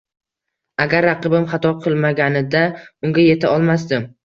Agar raqibim xato qilmaganida, unga yeta olmasdim